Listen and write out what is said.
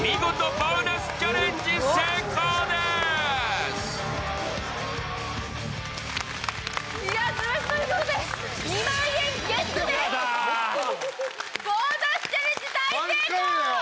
ボーナスチャンス大成功。